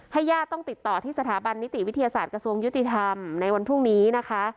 ญาติต้องติดต่อที่สถาบันนิติวิทยาศาสตร์กระทรวงยุติธรรมในวันพรุ่งนี้นะคะ